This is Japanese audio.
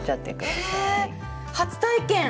へ初体験！